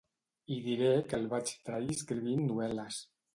I diré que el vaig trair escrivint novel·les.